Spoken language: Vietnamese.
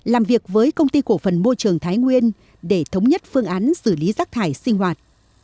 làm việc với công ty cổ phần môi trường thái nguyên để thống nhất phương án xử lý rác thải sinh hoạt